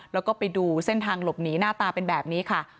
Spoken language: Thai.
แล้วก็ไปดูเส้นทางหลบหนีหน้าตาเป็นแบบนี้ค่ะ